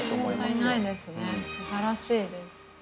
すばらしいです。